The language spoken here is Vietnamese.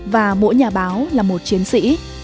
hội nhà báo là một chiến sĩ